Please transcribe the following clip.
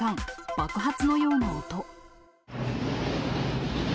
爆発のような音。